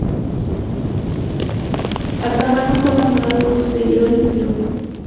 Artabano fue abandonado por sus seguidores y huyó.